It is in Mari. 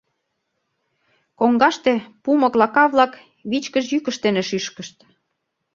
Коҥгаште пу моклака-влак вичкыж йӱкышт дене шӱшкышт.